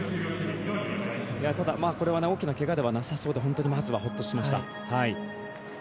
大きなけがではなさそうで本当にまずはほっとしました。